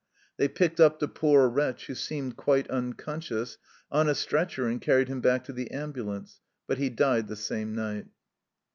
They picked up the poor wretch, who seemed quite unconscious, on a stretcher and carried him back to the ambulance, but he died the same night.